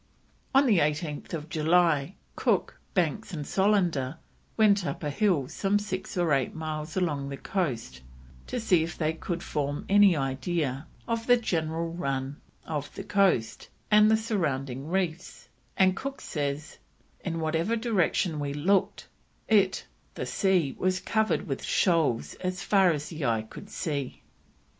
On 18th July Cook, Banks, and Solander went up a hill some six or eight miles along the coast to see if they could form any idea of the general run of the coast and the surrounding reefs, and Cook says: "In whatever direction we looked, it [the sea] was covered with shoals as far as the eye could see."